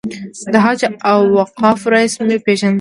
د حج او اوقافو رییس مې پېژندل.